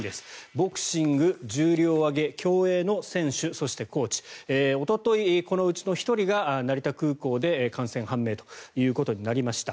ボクシング、重量挙げ競泳の選手そしてコーチおととい、このうちの１人が成田空港で感染判明ということになりました。